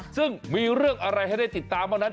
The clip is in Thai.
ซึ่งมีเรื่องอะไรให้ได้ติดตามเมื่อกี้